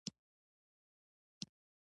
هغوی نه غوښتل نوي چلند ته داخل شي.